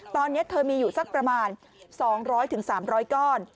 ตอนนี้เธอมีอยู่สักประมาณ๒๐๐๓๐๐ก้อน